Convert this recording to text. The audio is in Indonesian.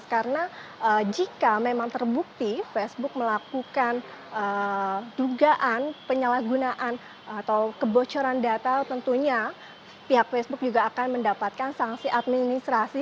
karena jika memang terbukti facebook melakukan dugaan penyalahgunaan atau kebocoran data tentunya pihak facebook juga akan mendapatkan sanksi administrasi